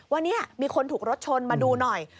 ว่านี่มีคนถูกรถชนมาดูหน่อย